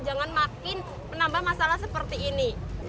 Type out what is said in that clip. jangan makin menambah masalah seperti ini